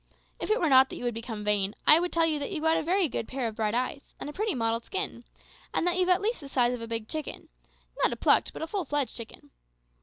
If it were not that you would become vain I would tell you that you've got a very good pair of bright eyes, and a pretty mottled skin, and that you're at least the size of a big chicken not a plucked but a full fledged chicken.